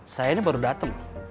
saya ini baru dateng